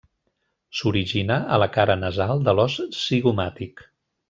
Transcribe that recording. S'origina a la cara nasal de l'os zigomàtic.